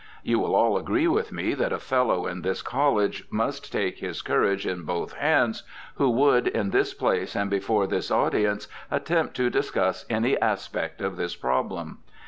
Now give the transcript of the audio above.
You will all agree with me that a Fellow of this college must take his courage in both hands who would, in this place and before this audience, attempt to discuss any aspect of this problem.